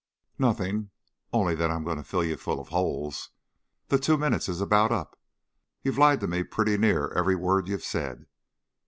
"Nothing only that I'm going to drill you full of holes. The two minutes is about up. You've lied to me pretty near every word you've said.